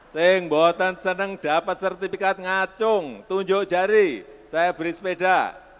seneng buatan seneng dapat sertifikat ngacung tunjuk jari saya beri sepeda